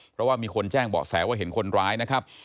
เพราะว่ามีคนแจ้งเบาะแสว่าเห็นคนร้ายนะครับ